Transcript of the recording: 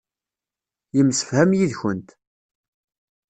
Yemsefham yid-kent.